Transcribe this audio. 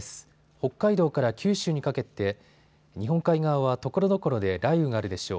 北海道から九州にかけて日本海側はところどころで雷雨があるでしょう。